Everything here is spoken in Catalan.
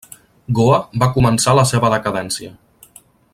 Goa va començar la seva decadència.